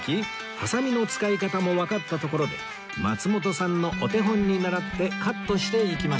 ハサミの使い方もわかったところで松本さんのお手本にならってカットしていきましょう